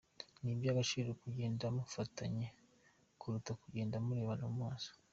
Ni iby’agaciro kugenda mufatanye kuruta kugenda murebana mu maso.